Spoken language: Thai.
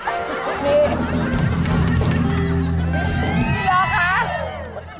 พี่หลอกคะ